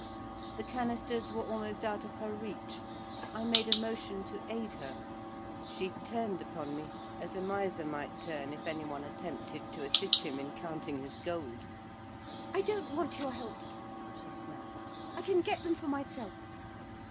The canisters were almost out of her reach; I made a motion to aid her; she turned upon me as a miser might turn if any one attempted to assist him in counting his gold. "I don't want your help," she snapped; "I can get them for myself."